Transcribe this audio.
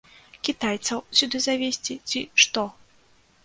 Кітайцаў сюды завезці, ці ш то?